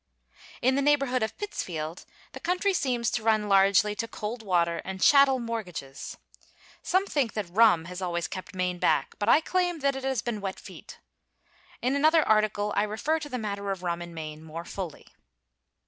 In the neighborhood of Pittsfield, the country seems to run largely to cold water and chattel mortgages. Some think that rum has always kept Maine back, but I claim that it has been wet feet. In another article I refer to the matter of rum in Maine more fully.